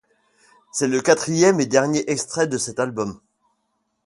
C'est le quatrième et dernier extrait de cet album.